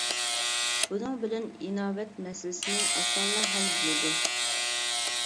بۇنىڭ بىلەن ئىناۋەت مەسىلىسىنى ئاسانلا ھەل بولىدۇ .